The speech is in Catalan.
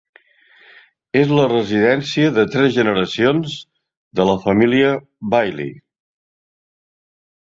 És la residència de tres generacions de la família Bailly.